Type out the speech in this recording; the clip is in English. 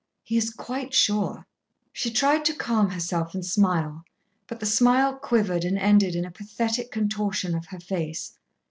He is quite sure." She tried to calm herself and smile. But the smile quivered and ended in a pathetic contortion of her face.